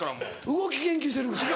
動き研究してるから。